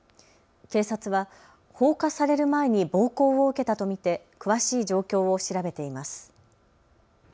警察は放火される前に暴行を受けたと見て詳しい状況を調べています。